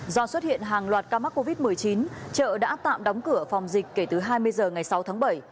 do xuất hiện hàng loạt ca mắc covid một mươi chín chợ đã tạm đóng cửa phòng dịch kể từ hai mươi h ngày sáu tháng bảy